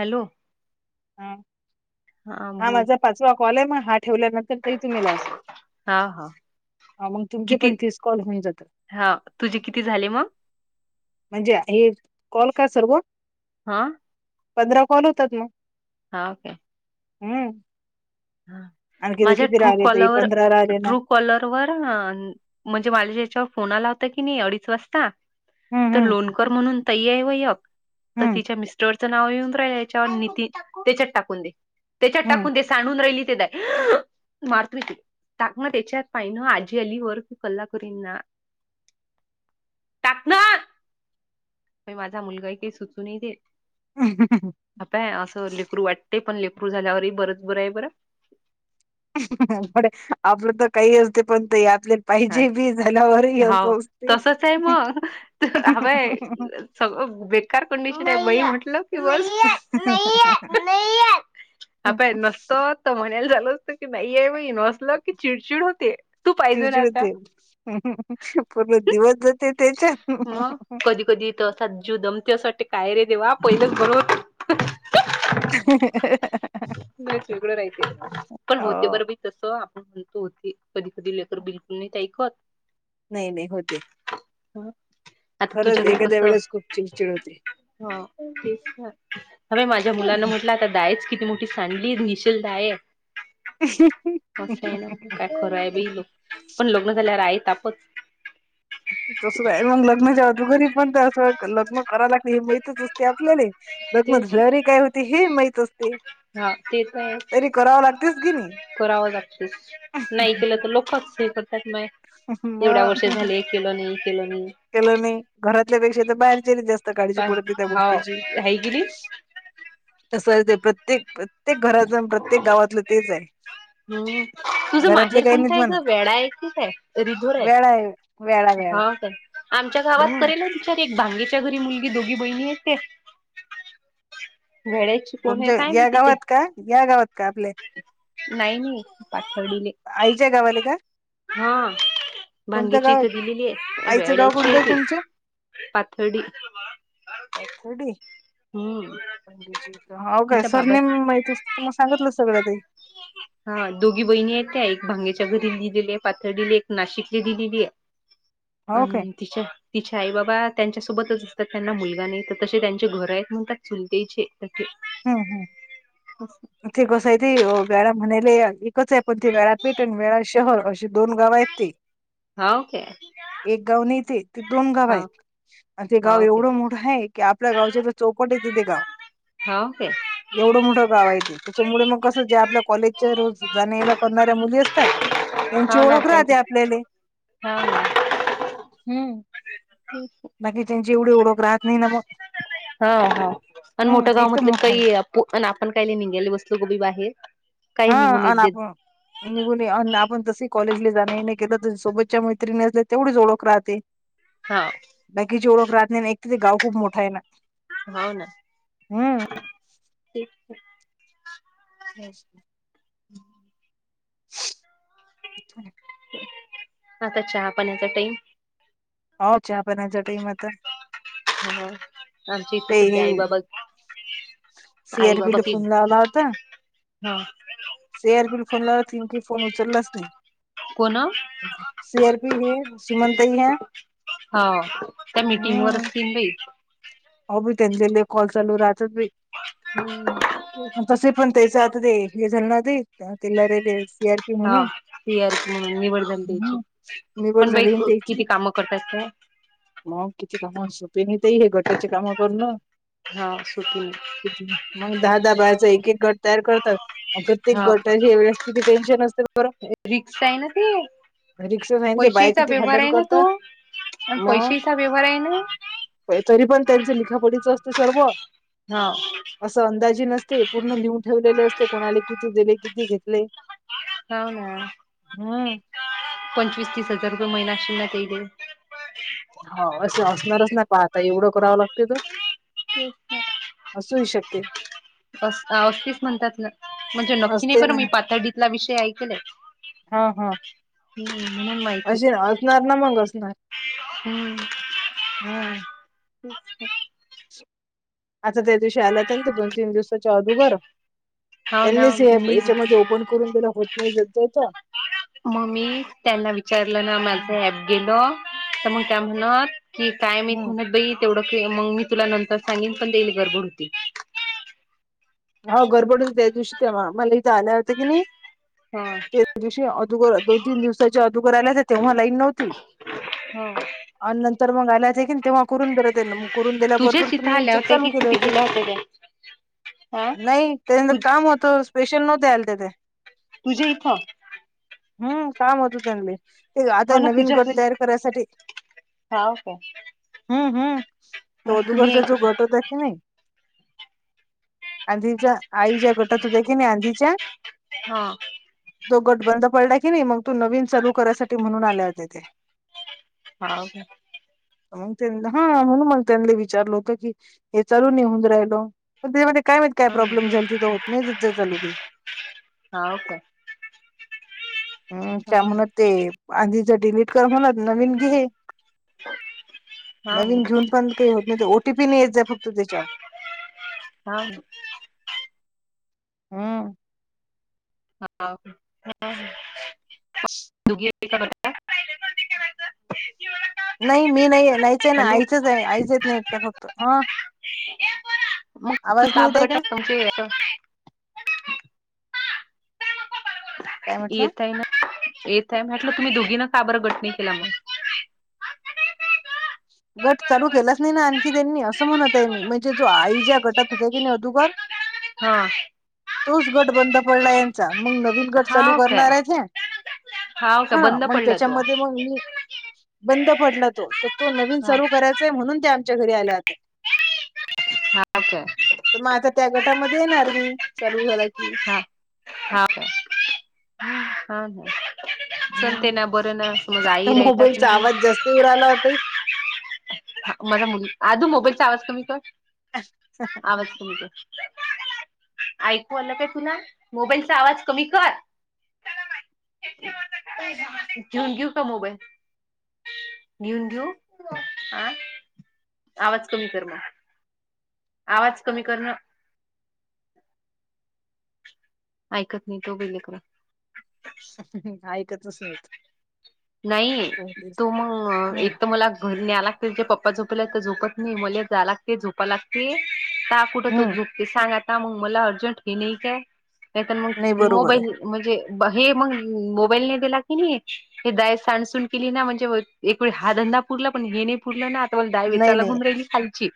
Hello! हा हा माझा पाचवा कॉल आहे मग हा ठेवल्यानंतर तरी तुम्ही लाव स हा-हा ह मग तुमचे पण तीस कॉल होऊन जात. हा तुझे किती झाले मग? म्हणजे हे कॉल का सर्व? हा. पंधरा कॉल होतात मग. हा ओके. हम्म आणखी ते माझ्या किती ट्रू राहिले ते कॉलवर पंधरा राहिले ना ट्रू कॉलर वर म्हणजे माला यांच्यावर फोन आला होता की नाही अडीच वाजता. हम्म तर हम्म लोणकर म्हणून ताई आहे व यक तर हम्म तिच्या मिस स्टरांचा नाव येऊन राहिलं नितीन राहिच्यावर त्याच्यात टाकून त्याच्यात टाकून [inaudible] इलित मारत विती [inaudible] टाक म त्यांच्यात पाहि ना आजी अली वरू कल्लाकुरन टाक ना माझा मुलगा ते सुचून दे. [unintelligible] ह पय असं लेकरू वाटतेय पण लेकरू झाल्यावरही बरंच बरं आहे बरं. बर आपलं तर काही असते पण ते यातले. काय पाहिजे बी झाल्यावरही अस हाव असते. तसच आहे मग हवय सगळं बेकार कंडिशन आहे बई म्हटलं की बसं. नाय ये आता हे नसत तर म्हणायला झाल असत की नाहीय बाई न नसलं की चिडचिड होते तू पाहिजे ना. [unintelligible] पूर्ण दिवस जाते मग त्याच्यात. कधी कधी असा जीव दमते अस वाटते काय रे देवा पहिलंच बरं होतं. [unintelligible] [unintelligible] लयच वेगळं राहयते पण होते बर हो बाई तस आपण म्हणतो होते. कधी-कधी लेकर बिलकुल नाहीत ऐकत. नाही-नाही होते. आता खरंच तुझ्याघरी कस एखाद्या ह. वेळेस खूप चिडचिड होते. [unintelligible] ह बाय माझ्या मुलांना म्हटलं आता डायच किती मोठी सांडली [unintelligible] शेल डाय हाय. कसं आहे ना काय खरं आहे बाय लोक पण लग्न झाल्यावर आहे तापचं. तसच हाय मग लग्नच्याआदू घरी पण ते असं लग्न कराय लागते हे माहितच अस ते आपल्याले ते [unintelligible] झरी काय होती हे माहित अस हा ते तर आहेच. लागतेच की नाही. करावं लागतेच नाही केलं तर लोकच हे करतात माय. एवढ्या मग वर्ष झाले किमान केलं नाही. केलं नाही घरातल्यापेक्षा तर बाहेरच्याला जास्त काळजी काय पडते त्या हाव गोष्टीची. आहे की नाही तस आहे ते प्रत्येक-प्रत्येक घराच्याच अन प्रत्येक गावातलं तेच आहे. हम्म तुझं घरातले माहेर काही कोणता नाहीत आहे ग म्हणत वेडा आहे की काय? रिधोर आहे वेळा वेळा वेळा हा ताई आमच्या गावात हम्म. करेल तर एक भांगेच्या घरी मुलगी दोघी बहिणी आहेत त्या. [unintelligible] गुमच्या काय या माहिती ते गावात का या गावात का आपल्या. नाही-नाही पाथर्डीले. आईच्या गावाले का? हा कोणत्या भांगेची गावात इथं दिलेली आहे आईचं गाव वेड्याची कोणतं आहे ती पाथर्डी. पाथडी हम्म [unintelligible] होऊ का तिच्या सर बाबा नेम माहीत अस तर मग सांगितलं सगळं ताई. हा दोघी बहिणी आहेत, त्या एक भांग्याच्या घरी दिलेली आहे, पाथर्डीला एक नाशिकला दिलेली आहे. हो काय अन तिच्या. तिचे आई बाबा त्यांच्यासोबतच असतात, त्यांना मुलगा नाही तर तसे त्यांचे घर आहेत म्हणतात चुलतेचे. [unintelligible] हम्म हम्म असं. ते कसं हाय ते वेळा म्हणायले एकच आहे. पण ते वेळापीठ आणि वेळा शहर, अशी दोन गाव आहेत ती. हाऊ काय? एक गाव नाय ते ते दोन गाव आहेत. आणि ते हा गाव ओके एवढं मोठं आहे की आपल्या गावच्या चौपट येत ते गाव. हाऊ काय? एवढं मोठं गाव आहे, ते त्याच्यामुळे मग कसं, जे आपल्या कॉलेजच्या रोज जाण्या येण करणाऱ्या मुली असतात. त्यांची हा ना ओळख त्यांच राहते आपल्याले हा ना [unintelligible] [unintelligible] बाकीच्यांची एवढी ओळख राहत नाही ना मग. हा हा आण हम्म मोठ गाव एक तर म्हटल की मोठा आहे ताई आपू आपण काही निंगेली बसतो की बाहेर. काही हा निघून आन येत देत आपण निघूनी आन आपण तस ही कॉलेजले जाण येण, केलं तर सोबतच्या मैत्रिणी असल्यातर तेवढीच ओळख राहते. हा बाकीची ओळख राहत नाही, ना एक तर ते गाव खूप मोठा आहे ना. हाव ना हम्म.. [unintelligible] [unintelligible] [inaudible] आता चहा पाण्याचा टाईम होव चहा पाण्याचा टाईम आता. हा आमची इथे ते हे सध्या आई बाबा सी आई आर बाबा पीला की फोन लावला होता हा सी आर पिला फोन लावला की नेमकी फोन उचललाच नाही. कोण? [unintelligible] सी आर पी हे सुमन ताई ये. हा त्या मिटिंगवर असतील बाई. हो बाई त्यांचे लई कॉल चालू राहतात बाई. तसे पण [unintelligible] त्याच आतू ते हे झालं ना ते [unintelligible] सी आर पी हा म्हणून, सी आर पी म्हणून निवड झाली त्याची हम्म. निवड पण बाई किती कामं करतात त्या. म किती काम असतात ना हे गटाची काम करून. हा सुटी नाही तिथ मग दहा दहा बायाचा एक एक गट तयार करतात. अ प्रत्येक हा गट हे वेगळे असले किती टेन्शन असते बरं. रिक्स आहे ना ते रिक्षा सांगितले ते बाया पैशचा किती व्यवहार भांडण आहे ना करता. तो आणि पैशेचा व्यवहार आहे ना. तरी पण त्यांचं लिखापडीच असतंय सर्व. हाआ. असं अंदाजी नसते पूर्ण लिहून ठेवलेले असते. कोणाले किती दिले किती घेतले. हो ना हम्म पंचवीस तीस हजार रुपये महिना असशील ना ते दे. हो असं असणारच ना पहा आता एवढं करावं लागते तर [unintelligible] असू ही शकते. अस असतीच म्हणतात ना म्हणजे नक्की नाही असते बरं मी ना पातडीतला विषय ऐकलाय. हा हा हम्म म्हणून माहिती असे असणार ना मग असणार. हम्म. हम्म [unintelligible] आता त्या दिवशी आला होता ना ते दोन तीन दिवसाच्या अदुगर हो ना त्यांनीच हे प मीच याच्यामध्ये ओपन करून त्याला होत नाही ज्याच त्याच म मी त्यांना विचारलं ना हम्म माझं ऍप गेलं तर मग त्या म्हणत कि काय मी म्हणत बई तेवढं मग मी तुला नंतर सांगेन पण देईल गडबड होती. हो गडबड होती त्या दिवशी तेव्हा मला इथं आल्या होतं की नाई. हा त्या दिवशी अदुगर दोन तीन दिवसाच्या अदुगर आल्या होत्या तेव्हा लाईन नव्हती. हो. आणि नंतर मग आल्या होत्या की तेव्हा करून दिले त्यांना मग करून दिल्या बरोबर तुम्ही चालू केले होते. असक [unintelligible] नाही त्याच्यांत काम होतं स्पेशल नव्हते आलते ते तुझ्या इथं. हम्म काम होतं त्यांले ते आता हो ना नवीन तुझ्या गट घरी तयार करायसाठी हाव काय हम्म हम्म तो मग तुम्ही अगोदरचा जो ऐक गट होता की नाही आधीच्या आई ज्या गटात होत्या की नाही आधीच्या हा तो गट बंद पडला की नाही, मग तो नवीन चालू करायसाठी म्हणून आले होते ते. हाव का मग त्यां हा म्हणून मग त्यांनी विचारलं होत की हे चालून निहून राहिलो. पण त्याचामध्ये काय प्रॉब्लेम झालती तर होत नाही ज चालुदी हा ओके हम् त्या म्हणत ते आधीच डिलीट कर म्हणत नवीन घे. हा नवीन घेऊन पण काही होत नाही ते ओटीपी नाही येत जा फक्त त्याच्यावर हा हम्म हा [unintelligible] [unintelligible] कि मला नाही मी नाही नाहीच आहे ना आईचंच आहे आईच नाही येत एकट्या हॅलो फक्त हा ति आवाज नाही साब येत आहे कटा का पोहचेे [unintelligible] काय म्हटलं येतय ना येतय म्हटलं तुम्ही दोघीनं का बरं गट नाही केला. मग? गट चालू केलाच नाही ना आणखी त्यांनी असं म्हणत आहे मी म्हणजे जो आई ज्या गटात होत्या की नाही अधुगर हा तोच गट बंद पडलाय यांचा मग नवीन गट चालू हाव काय? करणार आहे हे हाव काय हा बंद मग पडला तो? त्याच्यामध्ये मग मी बंद पडला तो तर तो नवीन हा चालू करायचाय म्हणून ते आमच्या घरी आल्या होत्या. अच्छा मग आता त्या गटामध्ये येणार मी चालू झाला की हा हा का हम्म हा हा हम्म त्या आई राहतात मोबाईलचा ना आवाज जास्त येऊ राहिला ओ ताई हा माझा मु आधू मोबाईलचा आवाज कमी कर आवाज कमी कर ऐकू आलं काय तुला मोबाईलचा आवाज कमी कर. घेऊन घेऊ का मोबाईल? घेऊन घेऊ ह आवाज कमी कर मग. आवाज कमी कर ना ऐकत नाहीत ओ लेकरं ह [unintelligible] नाही हो, तेच. तो मग हम्म. एक तर मला धरून न्याय लागती त्यांचे पप्पा झोपल्यात तर झोपत नाही मले जाय लागते झोपा लागती कुठ हम्म सांग आता मग मला अर्जंट हे नाही काय नाहीत मग नाही बरोबर आहे मोबाईल म्हणजे हे मग ल दिला की नाही दा सांडसून केली ना म्हणजे हाधंदा पुरला पण पुडलं ना आता बला नाही दहावीचला नाही घुमरहिली खायची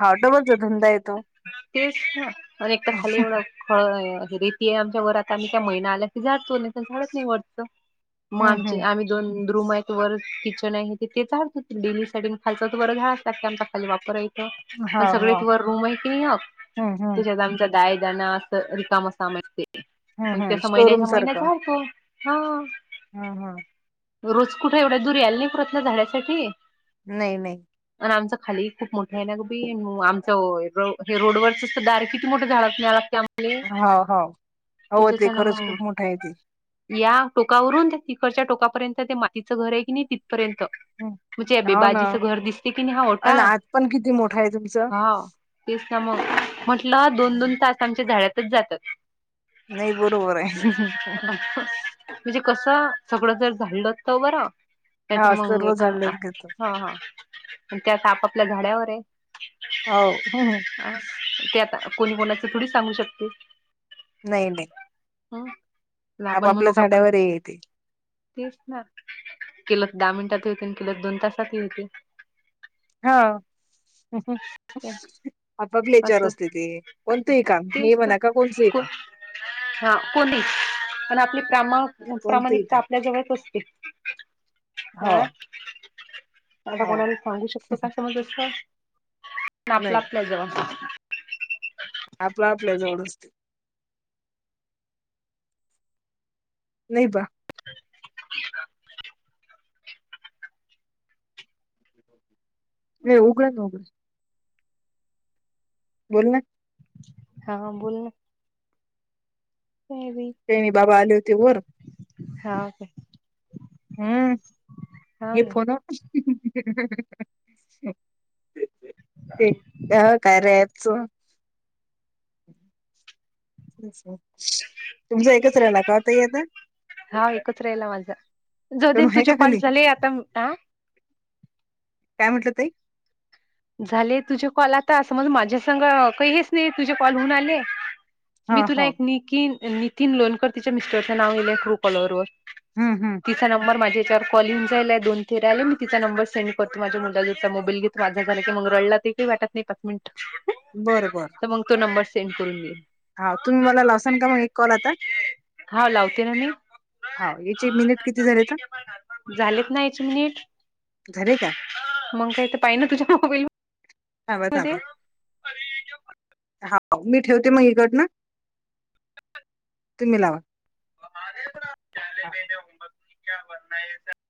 हा डबलचा धंदा येतो. तेच ना आणि एकदा खाली एवढा रेती आहे आमच्या घर आता आम्ही त्या महिना्या आल्या क जचो नाही तर झाडत नाही वाटत मग हम्म आमची हम्म आम् दोन रूम आहेत वर किचन आहे तेच डेली सा खाल तर वर झाड असतात ते आमचा खाली वापरा हा पण सगळे हा त रूम आहे की नाही हम्म हम्म त्याच्यात आमचा दय ज असं रिकाम समजते हम्म मग हम्म तस स्टोरूम महिन्याच्या महिन्यात चालतो हा. हम् हम. रोज कुठे एवढ्या दूर यायला नाही पुरत ना झाडासाठी. नाही नाही. आणि आमच खाली खूप मोठे आहे ना ग बी आमचं हे रोडवररच दार मोठ झाडं होा होा, हो ते खरंच मग खूप मोठा आहे ते या टोकावरून तिकडच्या टोकापर्यंत ते मातीचं घर आहे कि नाही तिथपर्यंत. हम्म. मुे अ हो ना. बेबाजीच घर दिसते की नाही हा होताा अन आत पण किती मोठा आहे तुमचं? हा तेस ना मग म्हटलं दोन दोन तास आमच्या झाडातच जातात. नाही बरोबर आहे. म्हणजे कसं सगळं जर झाडलं तर बरं त्याच हा मंग सर्व एक हा झाडच घेतो हा त्यात आपापल्या झाडावर आहे हो ह ते आता कोणी कोणाच थोडी सांगू शकते. नाही नाही. हम् आपण म्हणू आपापल्या का आपण. झाड्यावर हे येते तेच ना केलं तर दहा मिनिटात होते आणि केलं दोन तासात होते हो. चार असं असते ते कोणतंही काम हे तेच ना म्हणा का कोणतंही काम. हा कोणी पण आपली प्रामा कोणतंही प्रामाणिकता काम आपल्या जवळच असते. हा हो आता हो कोणाला सांगू शकतो का समजस? आपला नाही आपल्या जव. आपलं आपल्याजवळ असते. नाही बा. ह उगड न उगळ. बोल ना. हा बोल ना. तेवी तेणी बाबा आले होते वर हा हो हम् हाव हे ना. फोन ते का कायेच तू तुमच एकच राहिला का आता याता हा एकत्रहिला माझा जो तनु दिन आहे तुझे का कॉल खाली झाले आता. काय म्हंटला ताई झाले तुझे कॉल आता समज माझ्यासंग काही हेच नाही तुझे कॉल होऊन आले हा मी तुला हो एक निकीन नितीन लोणकर तिच्या मिस्टरचं नाव लिहिलंय ट्रू कॉलोरवर हूं.. हूं तिचा नंबर माझ्या याच्यावर कॉल येऊन जायलाय, दोन तेेराले मी तिचा नंबर सेंड करतो माझ्या मुलाजवळचा मोबाईल घेतो. झालं की मग रडला ते काही वाटत नाही पाच मिनिटं बरं बर. मंग तो नंबर सेंड करून देईल. हाऊ तुम्ही मला लावसान का मग एक कॉल आता.. तेन मी हा याचे मिनिट किती झाले तर [unintelligible] झालीच नाही. केच मिनिट.. झाले का मग काय तर पाहि ना तुझ्या मोबाईलवर. हा होता बरं हां मी ठेवते मग इकडनं तुम्ही लावा हा